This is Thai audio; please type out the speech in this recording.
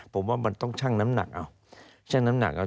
ผมว่ามันต้องชั่งน้ำหนักเอาชั่งน้ำหนักเอา